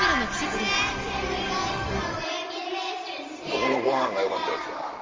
どこのごはんがよかったですか？